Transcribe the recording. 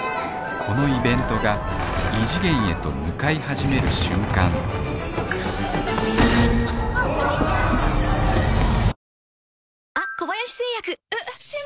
このイベントが異次元へと向かい始める瞬間香さん。